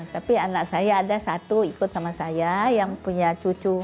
tapi anak saya ada satu ikut sama saya yang punya cucu